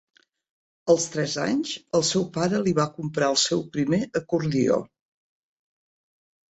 Als tres anys, el seu pare li va comprar el seu primer acordió.